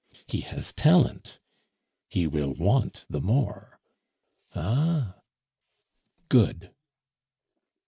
"He has talent." "He will want the more." "Ah?" "Good!"